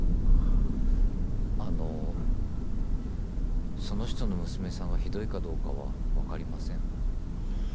あのその人の娘さんがひどいかどうかは分かりません。